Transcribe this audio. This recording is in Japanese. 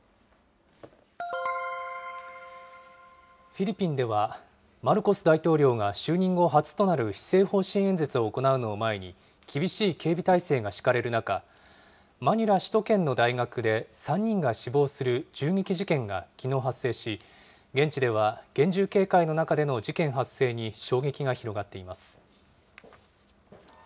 フィリピンでは、マルコス大統領が就任後初となる施政方針演説を行うのを前に、厳しい警備態勢が敷かれる中、マニラ首都圏の大学で３人が死亡する銃撃事件がきのう発生し、現地では厳重警戒の中での事件発生に衝撃が広がっています。